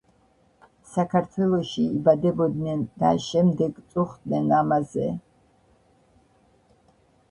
საქაეთველოში იბადებოდნენ და შემდეგ წუხდნენ ამაზე